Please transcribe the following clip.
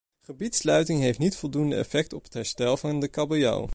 Gebiedssluiting heeft niet voldoende effect op het herstel van de kabeljauw.